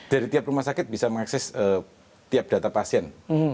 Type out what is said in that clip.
dari tiap rumah sakit bisa mengakses tiap data pasien